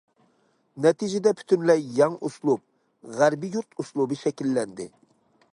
نەتىجىدە پۈتۈنلەي يەڭ ئۇسلۇب-« غەربىي يۇرت ئۇسلۇبى» شەكىللەندى.